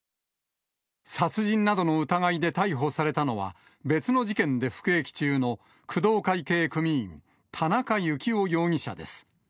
殺人などの疑いで逮捕されたのは、別の事件で服役中の工藤会系組員、田中幸雄容疑者です。